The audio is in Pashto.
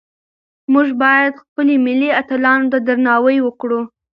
موږ باید خپل ملي اتلانو ته درناوی وکړو.